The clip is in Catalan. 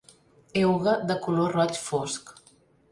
Euga de color roig fosc.